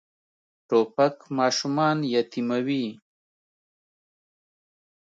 توپک ماشومان یتیموي.